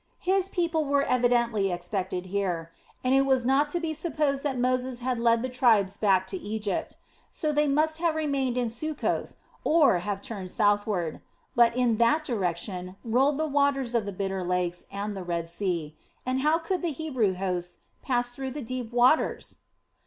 His people were evidently expected here; and it was not to be supposed that Moses had led the tribes back to Egypt. So they must have remained in Succoth or have turned southward. But in that direction rolled the waters of the Bitter Lakes and the Red Sea, and how could the Hebrew hosts pass through the deep waters?